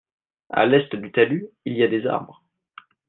À l'est du talus il y a des arbres.